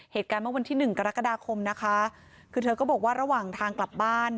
เหตุการณ์เมื่อวันที่หนึ่งกรกฎาคมนะคะคือเธอก็บอกว่าระหว่างทางกลับบ้าน